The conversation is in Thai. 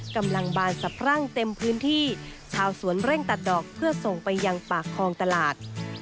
บานสะพรั่งเต็มพื้นที่ชาวสวนเร่งตัดดอกเพื่อส่งไปยังปากคลองตลาด